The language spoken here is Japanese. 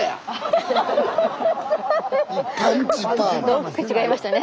大きく違いましたね。